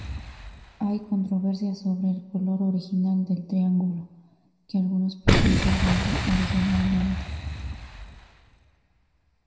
Hay controversia sobre el color original del triángulo, que algunos piensan ser verde originalmente.